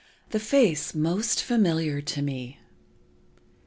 "_The Face Most Familiar to Me.